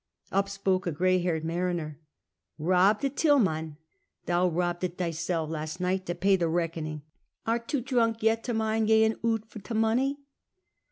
Up spoke a gray haired inan'ner. "Robbed t* till, man? Thou mbbed it thysel' last night to pay tlia reckonin'. Art too drunk yet to mind gaciii' oot for t' money